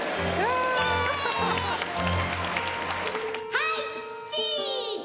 はいチーズ！